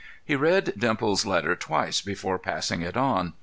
He read Dimples's letter twice before passing it on.